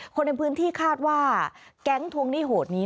คนในพื้นที่คาดว่าแก๊งทวงหนี้โหดนี้